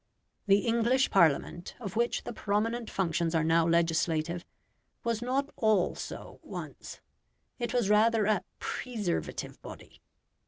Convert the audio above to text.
The English Parliament, of which the prominent functions are now legislative, was not all so once. It was rather a PRESERVATIVE body.